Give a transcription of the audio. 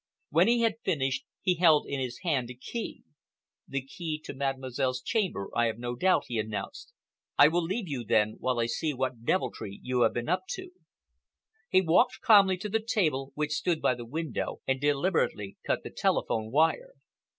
When he had finished, he held in his hand a key. "The key of Mademoiselle's chamber, I have no doubt," he announced, "I will leave you, then, while I see what deviltry you have been up to." He walked calmly to the table which stood by the window and deliberately cut the telephone wire.